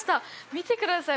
見てください